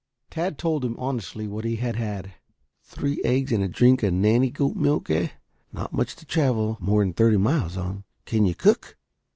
Tad told him honestly what he had had. "Three eggs and a drink of nanny goat milk, eh? Not much to travel more than thirty miles on. Can you cook?"